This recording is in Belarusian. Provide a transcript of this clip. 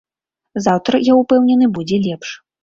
Заўтра, я ўпэўнены, будзе лепш.